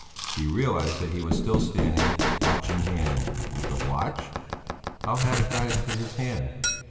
He realized that he was still standing, watch in hand. The watch? How had it got into his hand?